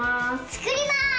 作ります！